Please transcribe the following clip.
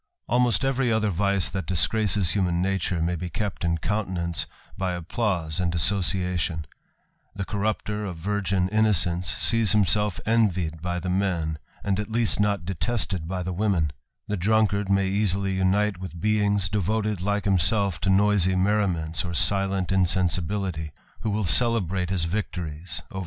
Almost every othe vice that disgraces human nature, may be kept in countenrr ance by applause and association : the corrupter of innocence sees himself envied by the men, and at least n< detested by the women : the drunkard may easily un&^^e with beings, devoted like himself to noisy merriments ^n silent insensibility, who will celebrate his victories over t.